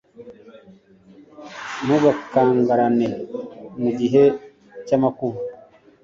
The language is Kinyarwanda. ntugakangarane mu gihe cy'amakuba